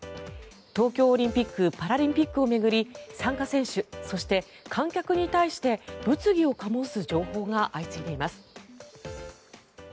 東京オリンピック・パラリンピックを巡り参加選手、そして観客に対して物議を醸す情報が相次いでいます。